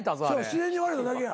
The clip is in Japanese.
自然に割れただけや。